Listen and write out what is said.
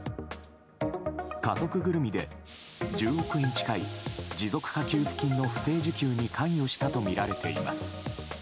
家族ぐるみで１０億円近い持続化給付金の不正受給に関与したとみられています。